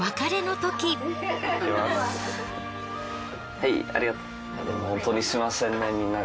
はいありがとう。